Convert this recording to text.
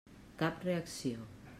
Cap reacció.